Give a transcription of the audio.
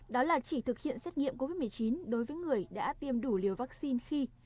đó là chỉ thực hiện xét nghiệm covid một mươi chín đối với người đã tiêm đủ liều vaccine khi